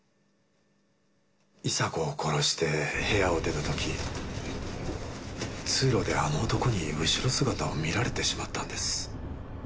伊沙子を殺して部屋を出た時通路であの男に後ろ姿を見られてしまったんです。